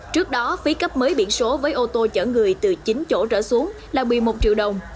trước đó phí cấp mới biển số với ô tô chở người từ chín chỗ trở xuống là một mươi một triệu đồng